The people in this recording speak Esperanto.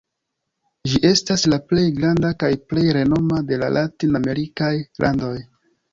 Ĝi estas la plej granda kaj plej renoma de la latin-amerikaj landoj.